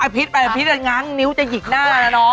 อภิษย์ไปอภิษย์จะงั้งนิ้วจะหยิกหน้านะน้อง